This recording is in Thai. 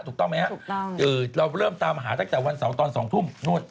ถูกต้องไหมครับเราเริ่มตามหาตั้งแต่วันเสาร์ตอน๒ทุ่มนู่น